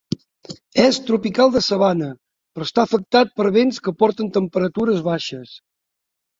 És tropical de sabana però està afectat per vents que porten temperatures baixes.